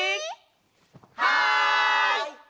はい！